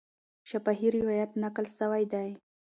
شفاهي روایت نقل سوی دی.